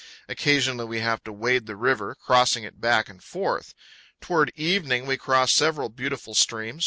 Occasionally we have to wade the river, crossing it back and forth. Toward evening we cross several beautiful streams, powell canyons 124.